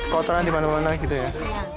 kotoran di mana mana gitu ya